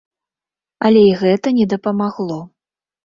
Але і гэта не дапамагло.